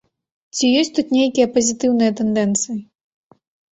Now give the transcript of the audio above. Ці ёсць тут нейкія пазітыўныя тэндэнцыі?